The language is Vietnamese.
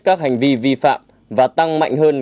các hành vi vi phạm và tăng mạnh hơn